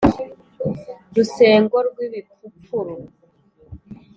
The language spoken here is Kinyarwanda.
rusengo rw’ibipfupfuru